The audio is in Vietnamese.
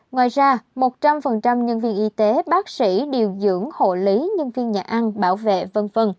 ngoài ra một trăm linh nhân viên y tế bác sĩ điều dưỡng hộ lý nhân viên nhà ăn bảo vệ v v